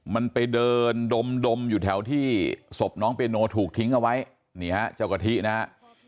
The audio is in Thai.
มันไปเดินดมอยู่แถวที่ศพน้องเปียโนถูกทิ้งเอาไว้นี่ฮะเจ้ากะทินะฮะ